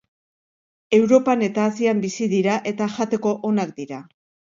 Europan eta Asian bizi dira eta jateko onak dira.